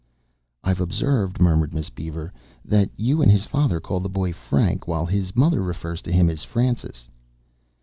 "I've observed," murmured Miss Beaver, "that you and his father call the boy Frank, while his mother refers to him as Francis."